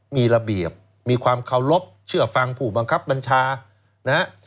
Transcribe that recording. มีระเบียบมีความเคารพเชื่อฟังผู้บังคับบัญชานะฮะ